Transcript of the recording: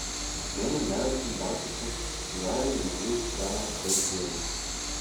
Many marathon bicyclers riding in a group down a paved road.